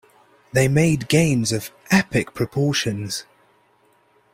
They made gains of epic proportions.